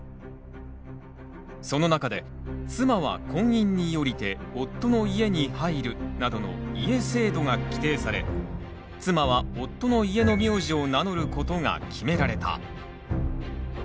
その中で「妻は婚姻に因りて夫の家に入る」などの「家制度」が規定され妻は夫の家の名字を名乗ることが決められた。